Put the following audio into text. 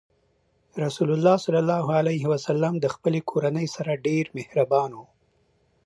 رسول الله ﷺ د خپلې کورنۍ سره ډېر مهربان و.